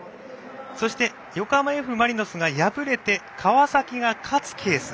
そして、横浜Ｆ・マリノスが敗れて川崎が勝つケース。